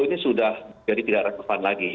ini sudah jadi tidak relevan lagi